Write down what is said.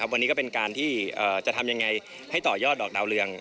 วันนี้ก็เป็นการที่จะทำยังไงให้ต่อยอดดอกดาวเรือง